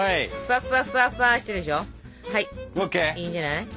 いいんじゃない。